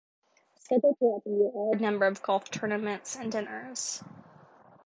Scheduled throughout the year are a number of golf tournaments and dinners.